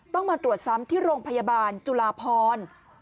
มาตรวจซ้ำที่โรงพยาบาลจุลาพร